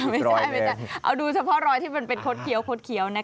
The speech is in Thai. ไม่ใช่เอาดูเฉพาะรอยที่มันเป็นคดเคี้ยวนะฮะ